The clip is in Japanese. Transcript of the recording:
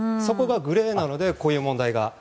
そこがグレーなのでこういう問題が。